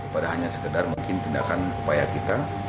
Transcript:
pada hanya sekedar mungkin tindakan upaya kita